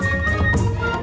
masih ada yang nangis